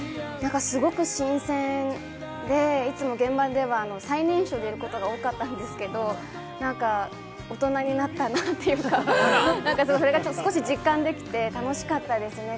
すごく新鮮で、いつも現場では最年少ということが多かったんですけど、大人になったなというか、それが少し実感できて楽しかったですね。